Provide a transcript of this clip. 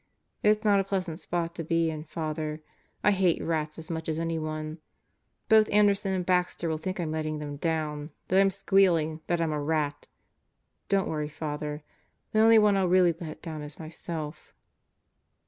It's not a pleasant spot to be in, Father. I hate rats as much as anyone. Both Anderson and Baxter will think I'm letting them down; that I'm squealing; that I'm a rat. But, don't worry, Father; the only one I'll really let down is myself."